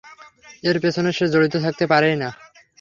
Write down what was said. এর পেছনে সে জড়িত থাকতে পারেই না!